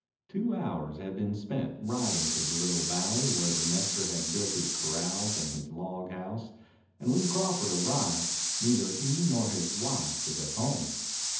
Two hours had been spent riding to the little valley where the nester had built his corrals and his log house, and when Crawford arrived neither he nor his wife was at home.